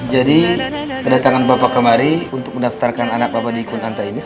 jadi kedatangan bapak kemari untuk mendaftarkan anak bapak di kunanta ini